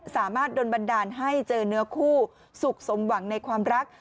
สามารถโดนบันดาลให้เจอเนื้อคู่สุขสมหวังในความรัก